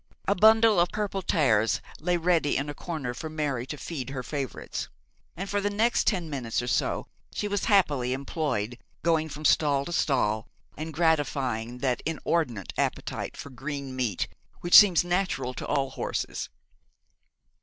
A bundle of purple tares lay ready in a corner for Mary to feed her favourites; and for the next ten minutes or so she was happily employed going from stall to stall, and gratifying that inordinate appetite for green meat which seems natural to all horses.